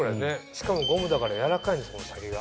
しかもゴムだからやわらかいんだその先が。